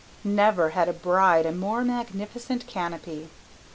Never had bride a more magnificent canopy.